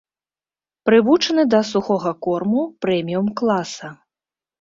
Прывучаны да сухога корму прэміум-класа.